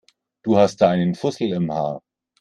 Du hast da einen Fussel im Haar.